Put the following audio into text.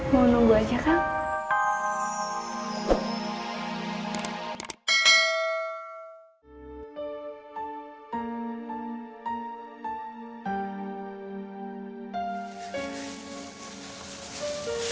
mau nunggu aja kang